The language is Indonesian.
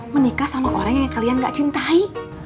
menikah sama orang yang kalian gak cintai